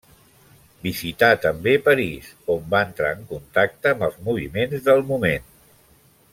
Visità també París, on va entrar en contacte amb els moviments del moment.